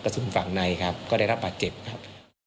สุนฝั่งในครับก็ได้รับบาดเจ็บครับ